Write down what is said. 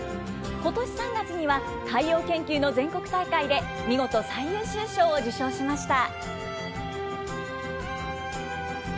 ことし３月には、海洋研究の全国大会で見事、最優秀賞を受賞しました。